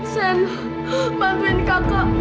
sel bantuin kakak